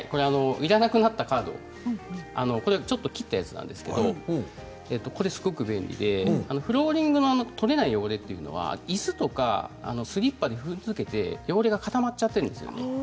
いらなくなったカードこれちょっと切ったやつなんですけどこれすごく便利でフローリングの取れない汚れというのは、いすとかスリッパで踏んづけて汚れが固まっちゃっているんですよ。